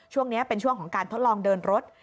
ช่วงนี้เป็นช่วงของการทดลองเดินรถ